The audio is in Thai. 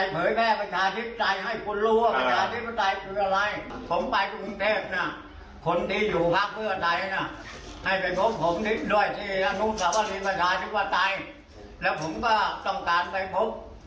ประชาชนเลือกฝ่ายประชาธิปไตยและผมก็ต้องการไปพบ